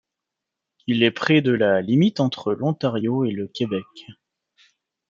Il est près de la limite entre l'Ontario et le Québec.